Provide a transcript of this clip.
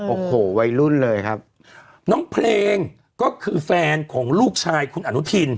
โอ้โหวัยรุ่นเลยครับน้องเพลงก็คือแฟนของลูกชายคุณอนุทิน